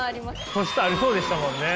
素質ありそうでしたもんね。